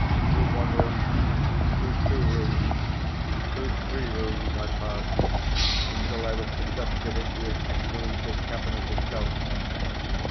Through one room, through two rooms, through three rooms I passed, until I was conducted into his Excellency's cabinet itself.